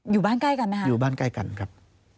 อยู่บ้านใกล้กันไหมครับ